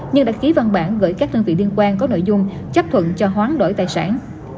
như đã ký văn bản gửi các đơn vị liên quan có nội dung chấp thuận cho hoán đổi tài sản